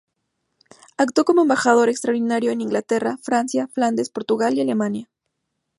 Actuó como embajador extraordinario en Inglaterra, Francia, Flandes, Portugal y Alemania.